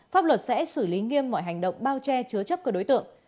pháp luật sẽ xử lý nghiêm mọi hành động bao che chứa chấp các đối tượng